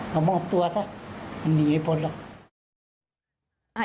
มามอบตัวสักมันหนีไปปลดหรือ